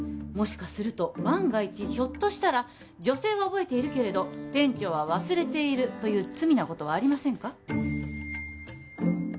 もしかすると万が一ひょっとしたら女性は覚えているけれど店長は忘れているという罪なことはありませんか？